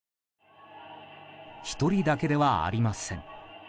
１人だけではありません。